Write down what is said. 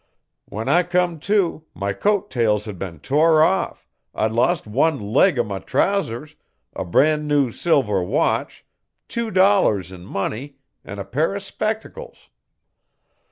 When I come to, my coat tails had been tore off, I'd lost one leg O' my trousers, a bran new silver watch, tew dollars in money, an a pair O' spectacles.